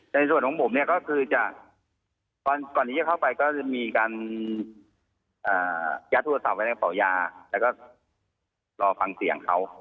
ในส่วนของผมเนี่ยก็คือจะก่อนที่จะเข้าไปก็จะมีการยัดโทรศัพท์ไว้ในเป่ายาแล้วก็รอฟังเสียงเขา